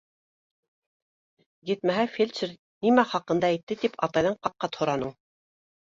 Етмәһә, фельдшер нимә хаҡында әйтте, тип атайҙан ҡат-ҡат һораның.